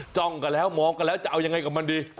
จ้องกันแล้วมองกันแล้วจะเอายังไงกับมันดี